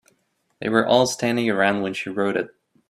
They were all standing around when she wrote it.